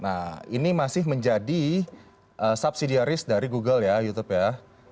nah ini masih menjadi subsidiaris dari google ya youtube ya